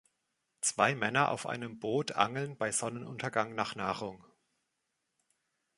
Zwei Männer auf einem Boot angeln bei Sonnenuntergang nach Nahrung.